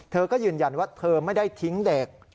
เธอก็ยืนยันว่าเธอไม่ได้ทิ้งเด็ก